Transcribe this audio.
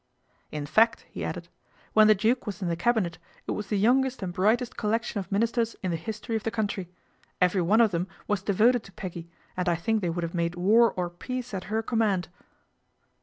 " In fact," he added, " when the Duke was in the Cabinet, it was the youngest and brightest :ollection of Ministers in the history of the country. Every one of them was devoted to Peggy, and I think they would have made war or peace at her command."